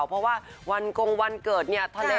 เพราะว่าวันกงวันเกิดเนี่ยทะเล